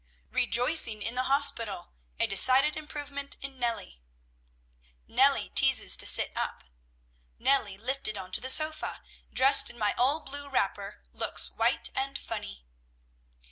"Rejoicing in the hospital! a decided improvement in Nellie." "Nellie teases to sit up." "Nellie lifted onto the sofa! Dressed in my old blue wrapper! Looks white and funny."